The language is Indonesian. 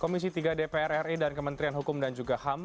komisi tiga dpr ri dan kementerian hukum dan juga ham